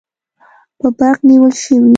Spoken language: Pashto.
په برق نیول شوي